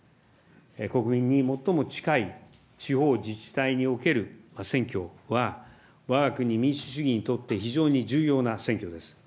国民に最も近い地方自治体における選挙は、わが国、民主主義にとって非常に重要な選挙です。